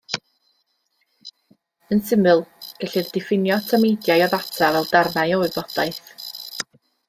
Yn syml, gellir diffinio tameidiau o ddata fel darnau o wybodaeth.